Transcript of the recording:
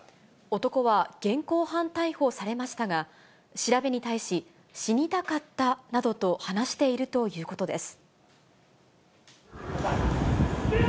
男は現行犯逮捕されましたが、調べに対し、死にたかったなどと話しているということです。